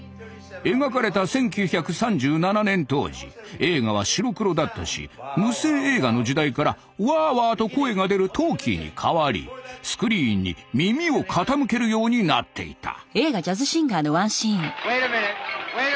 描かれた１９３７年当時映画は白黒だったし無声映画の時代からワーワーと声が出るトーキーに変わりスクリーンに耳を傾けるようになっていた。